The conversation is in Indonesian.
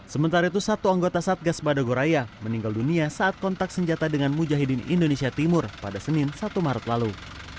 sementara itu satu anggota satgas badagoraya meninggal dunia saat kontak senjata dengan mujahidin indonesia timur pada senin satu maret lalu